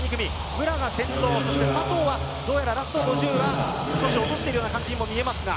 武良が先頭そして佐藤はどうやらラスト５０は少し落としているような感じにも見えますが。